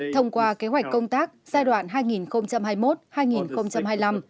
thông qua kế hoạch công tác giai đoạn hai nghìn hai mươi một hai nghìn hai mươi năm